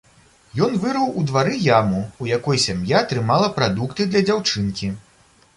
Ён вырыў у двары яму, у якой сям'я трымала прадукты для дзяўчынкі.